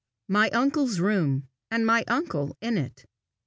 MY UNCLE'S ROOM, AND MY UNCLE IN IT.